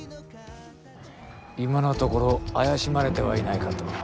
今のところ怪しまれてはいないかと。